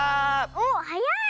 おっはやい！